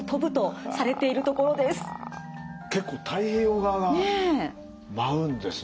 結構太平洋側が舞うんですね。